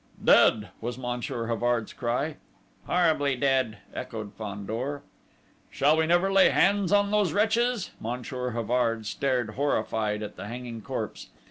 "Dead!" was Monsieur Havard's cry. "Horribly dead!" echoed Fandor. "Shall we never lay hands on those wretches?" Monsieur Havard stared, horrified, at the hanging corpse.